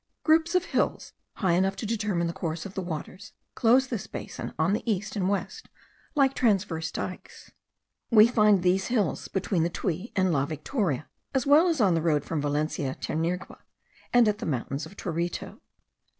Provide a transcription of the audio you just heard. Groups of hills, high enough to determine the course of the waters, close this basin on the east and west like transverse dykes. We find these hills between the Tuy and La Victoria, as well as on the road from Valencia to Nirgua, and at the mountains of Torito.